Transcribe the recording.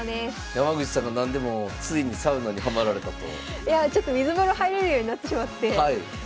山口さんがなんでもついにサウナにハマられたと。